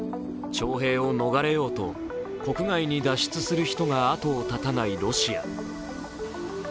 徴兵を逃れようと、国外に脱出する人が後を絶たないロシア。